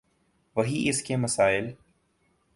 وہی اس کے مسائل۔